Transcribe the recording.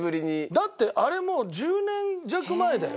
だってあれもう１０年弱前だよ。